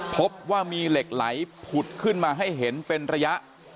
พบว่ามีเหล็กไหลผุดขึ้นมาให้เห็นเป็นระยะ